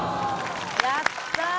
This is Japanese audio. やったー！